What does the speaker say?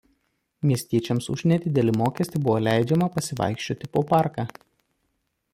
Miestiečiams už nedidelį mokestį buvo leidžiama pasivaikščioti po parką.